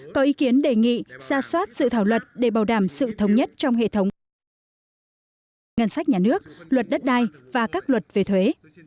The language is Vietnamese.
có ý kiến đề nghị ra soát dự thảo luật để bảo đảm sự thống nhất trong hệ thống ngân sách nhà nước luật đất đai và các luật về thuế